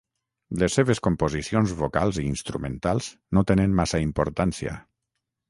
Les seves composicions vocals i instrumentals no tenen massa importància.